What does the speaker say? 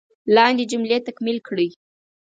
لاندې جملې تکمیل کړئ.